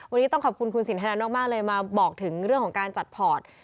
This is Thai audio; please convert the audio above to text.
วันนี้ต้องขอบคุณคุณสินทนันมากเลยมาบอกถึงเรื่องของการจัดพอร์ต